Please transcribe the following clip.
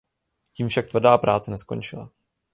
Tím však tvrdá práce neskončila.